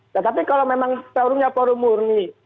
tetapi kalau memang forumnya forum murni